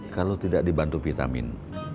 kalau tidak dibantu vitamin